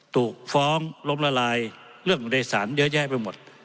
ถูกฟ้องล้มละลายเรื่องอยู่ในสารเยอะแยะไปหมด